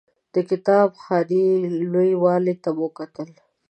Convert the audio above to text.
د کتاب خانې لوی والي ته مو وکتل.